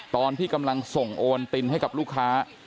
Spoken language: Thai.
ตอนที่กำลังส่งโอนตินให้กับลูกค้า